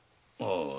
ああ。